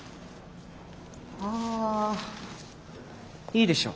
あいいでしょう。